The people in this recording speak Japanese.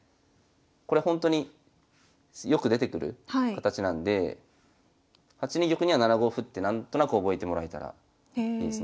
これほんとによく出てくる形なんでって何となく覚えてもらえたらいいですね。